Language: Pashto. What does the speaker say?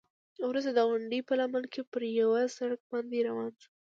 وروسته د غونډۍ په لمن کې پر یوه سړک باندې روان شوو.